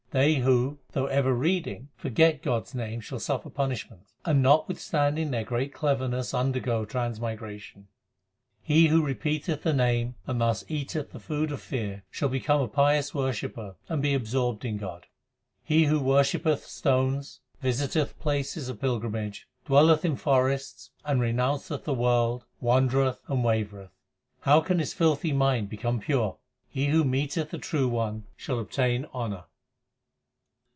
They who, though ever reading, forget God s name shall suffer punishment, And notwithstanding their great cleverness undergo trans migration. He who repeateth the Name and thus eateth the food of fear, Shall become a pious worshipper and be absorbed in God. He who worshippeth stones, visiteth places of pilgrimage, dwelleth in forests, And renounceth the world, wandereth and wavereth. How can his filthy mind become pure ? He who meeteth the True One shall obtain honour.